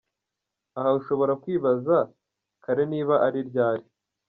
Aha ushobora kwibaza “kare” niba ari ryari.